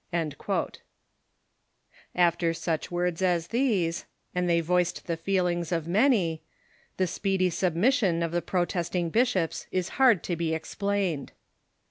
"* After such words as these — and they voiced the feelings of many — the speedy submission of the protesting bishops is hard to be explained.